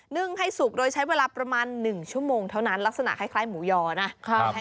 ึ่งให้สุกโดยใช้เวลาประมาณ๑ชั่วโมงเท่านั้นลักษณะคล้ายหมูยอนะ